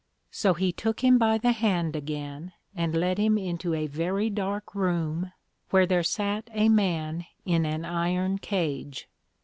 So he took him by the hand again, and led him into a very dark room, where there sat a man in an Iron Cage.